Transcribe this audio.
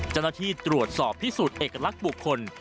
จันทธิตรวจสอบพิสูจน์เอกลักษณ์บุคคล